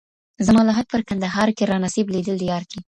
زما لحد پر کندهار کې را نصیب لیدل د یار کې